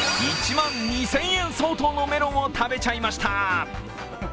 １万２０００円相当のメロンを食べちゃいました。